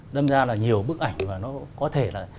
đâm ra là nhiều bức ảnh mà nó có thể là